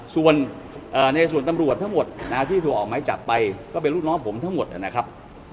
ส่วนในส่วนตำรวจทั้งหมดที่ถูกออกไม้จับไปก็เป็นลูกน้องผมทั้งหมดนะครับ